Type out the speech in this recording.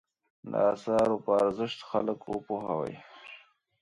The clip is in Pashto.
د اثارو په ارزښت خلک وپوهوي.